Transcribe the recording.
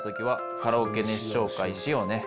カラオケ熱唱会しようね。